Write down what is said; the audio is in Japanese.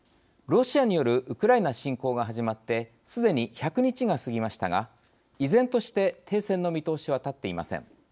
ロシアによるウクライナ侵攻が始まってすでに１００日が過ぎましたが依然として停戦の見通しは立っていません。